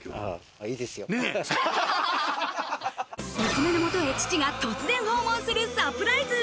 娘の元へ父が突然訪問するサプライズ。